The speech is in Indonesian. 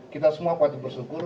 kita semua pasti bersyukur